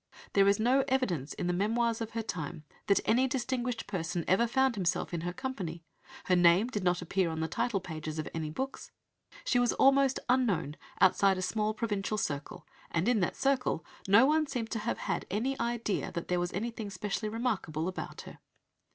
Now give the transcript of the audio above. There is no evidence in the memoirs of her time that any distinguished person ever found himself in her company, her name did not appear on the title pages of any books, she was almost unknown outside a small provincial circle, and in that circle no one seems to have had any idea that there was anything specially remarkable about her.